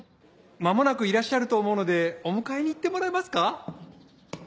間もなくいらっしゃると思うのでお迎えに行ってもらえますか？